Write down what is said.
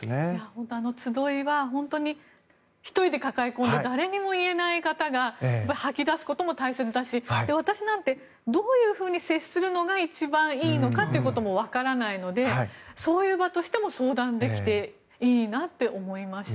本当にあの集いは１人で抱え込んで誰にも言えない方が吐き出すことも大切だし私なんてどういうふうに接するのが一番いいのかってこともわからないのでそういう場としても相談できていいなって思いました。